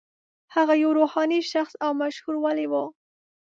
هغه یو روحاني شخص او مشهور ولي و.